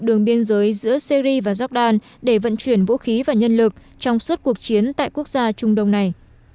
đường biên giới giữa syri và jordan để vận chuyển vũ khí và nhân lực trong suốt cuộc chiến tại quốc gia trung đông này